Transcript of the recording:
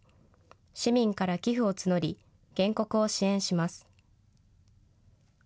市民から寄付を募り、原告を支援します。